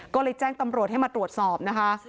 ก็เลยแจ้งตำรวจให้มาตรวจสอบนะคะ